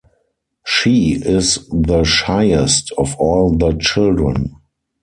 She is the shyest of all the children.